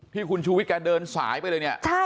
ที่คุณชูวิทย์แกเดินสายไปเลยเนี่ย